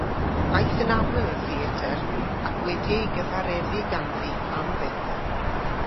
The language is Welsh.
Aeth yn aml i'r theatr ac wedi'i gyfareddu ganddi am byth.